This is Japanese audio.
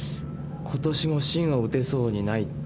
「今年も真を打てそうにない」って。